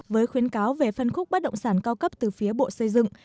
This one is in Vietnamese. với khuyến cáo về phân khúc bất động sản cao cấp từ phía bộ xây dựng